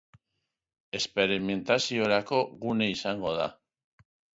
Esperimentaziorako gune izango da.